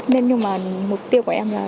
nên nhưng mà mục tiêu của em là